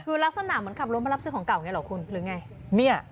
คือลักษณะเหมือนกับรถมารับซื้อของเก่าไงหรือไง